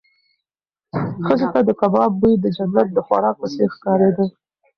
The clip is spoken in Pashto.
ښځې ته د کباب بوی د جنت د خوراک په څېر ښکارېده.